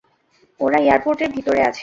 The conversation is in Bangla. ওরা এয়ারপোর্টের ভিতরে আছে।